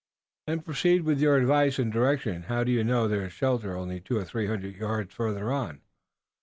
"Then proceed with your advice and direction. How do you know there is shelter only two or three hundred yards farther on?"